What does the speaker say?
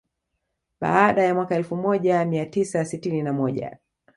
Baada ya mwaka elfu moja mia tisa sitini na moja